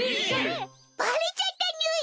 バレちゃったにゅい！